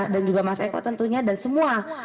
dan juga mas eko tentunya dan semua